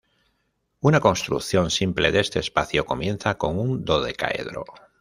Una construcción simple de este espacio comienza con un dodecaedro.